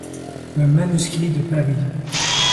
Le manuscrit de Paris.